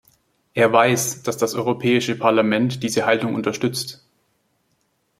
Er weiß, dass das Europäische Parlament diese Haltung unterstützt.